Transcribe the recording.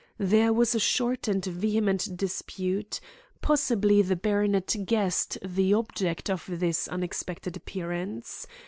There was a short and vehement dispute. Possibly the baronet guessed the object of this unexpected appearance.